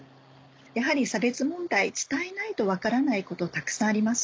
やはり差別問題伝えないと分からないことたくさんあります。